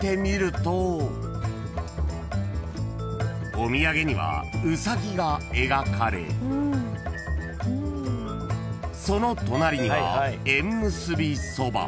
［お土産にはウサギが描かれその隣には縁結びそば］